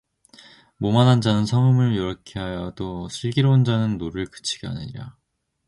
모만한 자는 성읍을 요란케 하여도 슬기로운 자는 노를 그치게 하느니라